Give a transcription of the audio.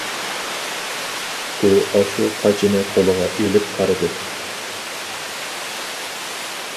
ئۇ ئاشۇ قاچىنى قولىغا ئېلىپ قارىدى.